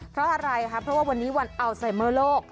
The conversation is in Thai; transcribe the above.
เพราะอะไรคะเพราะว่าวันนี้วันอัลไซเมอร์โลก